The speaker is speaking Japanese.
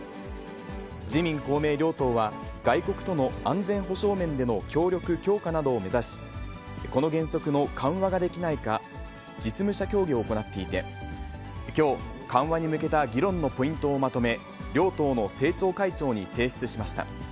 自民、公明両党は、外国との安全保障面での協力強化などを目指し、この原則の緩和ができないか、実務者協議を行っていて、きょう、緩和に向けた議論のポイントをまとめ、両党の政調会長に提出しました。